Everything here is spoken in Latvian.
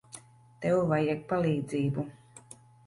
Tev vajag palīdzību.